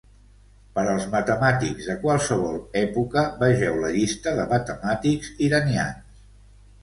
Per als matemàtics de qualsevol època, vegeu la llista de matemàtics iranians.